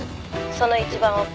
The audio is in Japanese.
「その一番奥」